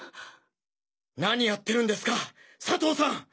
何やってるんですか佐藤さん！！